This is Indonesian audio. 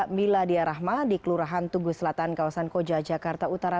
miladia rahma di kelurahan tugu selatan kawasan koja jakarta utara